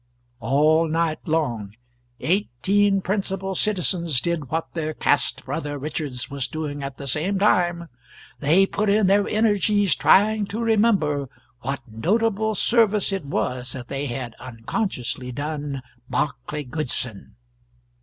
All night long eighteen principal citizens did what their caste brother Richards was doing at the same time they put in their energies trying to remember what notable service it was that they had unconsciously done Barclay Goodson.